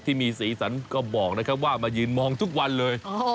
ที่มีสีสันก็บอกนะครับว่ามายืนมองทุกวันเลย